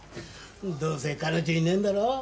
どうせ彼女いねえんだろ？